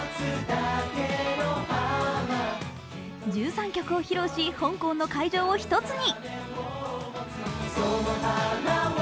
１３曲を披露し香港の会場を一つに。